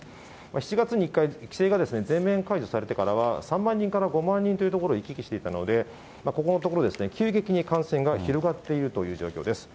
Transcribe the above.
７月に１回、規制が全面解除されてからは、３万人から５万人というところを行き来していたので、ここのところ、急激に感染が広がっているという状況です。